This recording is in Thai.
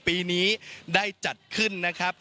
ปีนี้ได้จัดขึ้น